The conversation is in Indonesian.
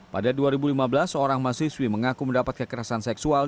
pada dua ribu lima belas seorang mahasiswi mengaku mendapat kekerasan seksual